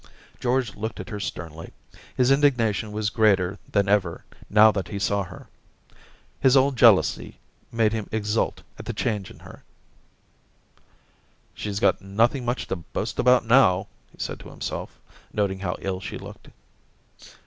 George looked at her sternly. His indigna tion was greater than ever now that he saw her. His old jealousy made him exult at the change in hen 'She's got nothing much to boast about now,' he said to himself, noting how ill she looked.